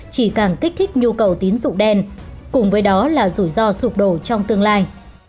chỉ càng kích thích nhu cầu tín dụng đen cùng với đó là rủi ro sụp đổ trong tương lai